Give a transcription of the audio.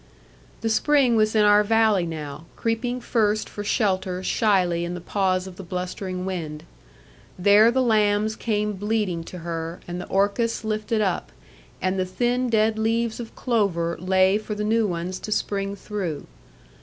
The spring was in our valley now; creeping first for shelter shyly in the pause of the blustering wind. There the lambs came bleating to her, and the orchis lifted up, and the thin dead leaves of clover lay for the new ones to spring through.